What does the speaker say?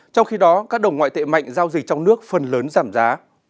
trong khi đó các đồng ngoại tệ mạnh giao dịch trong nước phần lớn giảm giá